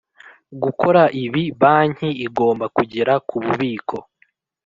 Gukora ibi banki igomba kugera ku bubiko